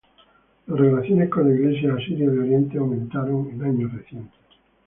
Las relaciones con la Iglesia asiria de Oriente aumentaron en años recientes.